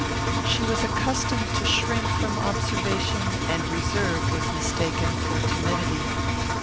She was accustomed to shrink from observation, and reserve was mistaken for timidity.